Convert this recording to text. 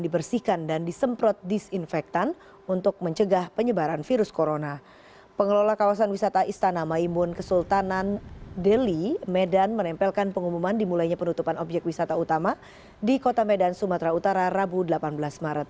penyemprotan disinfektan di gedung kpk dimulai sejak pukul tujuh tiga puluh